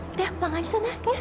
udah pulang aja sana ya